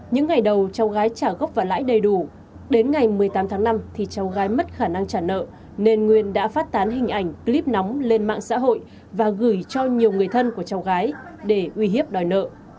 những ngày đầu cháu gái trả gốc và lãi đầy đủ đến ngày một mươi tám tháng năm thì cháu gái mất khả năng trả nợ nên nguyên đã phát tán hình ảnh clip nóng lên mạng xã hội và gửi cho nhiều người thân của cháu gái để uy hiếp đòi nợ